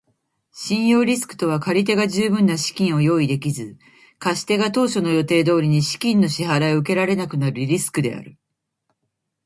信用リスクとは借り手が十分な資金を用意できず、貸し手が当初の予定通りに資金の支払を受けられなくなるリスクである。